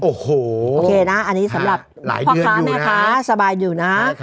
โอ้โหโอเคนะอันนี้สำหรับพ่อค้าแม่ค้าสบายอยู่นะ